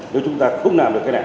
nếu chúng ta không làm được cái này